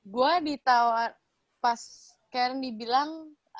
gue ditawar pas karen dibilang